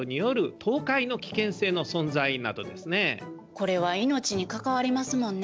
これは命にかかわりますもんね。